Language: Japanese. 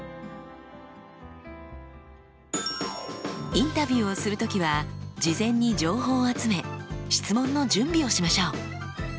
インタビューをする時は事前に情報を集め質問の準備をしましょう。